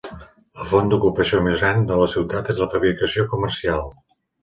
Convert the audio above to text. La font d'ocupació més gran de la ciutat és la fabricació comercial.